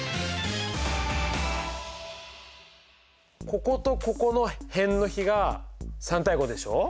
こことここの辺の比が３：５でしょう。